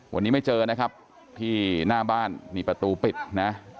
วันนี้ไม่เจอนะครับที่หน้าบ้านนี่ประตูปิดนะ